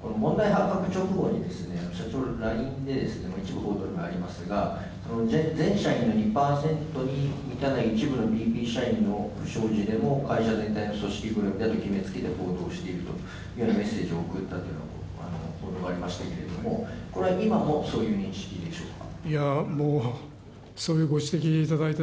問題発覚直後に社長がＬＩＮＥで一部ではありますが全社員の２％に満たない一部のＢＰ社員の不祥事でも会社全体の不祥事だと決めつけて報道しているというメッセージを送ったということがありましたけどもこれは今もそういう認識でしょうか。